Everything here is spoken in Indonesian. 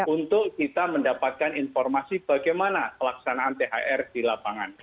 untuk kita mendapatkan informasi bagaimana pelaksanaan thr di lapangan